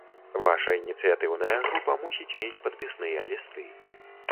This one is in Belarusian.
Ваша ініцыятыўная група мусіць мець падпісныя лісты.